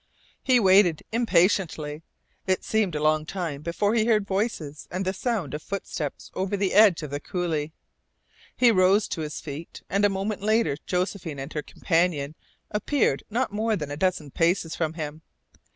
He waited impatiently. It seemed a long time before he heard voices and the sound of footsteps over the edge of the coulee. He rose to his feet, and a moment later Josephine and her companion appeared not more than a dozen paces from him.